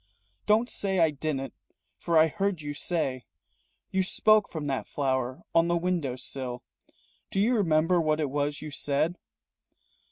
Don't say I didn't, for I heard you say You spoke from that flower on the window sill Do you remember what it was you said?"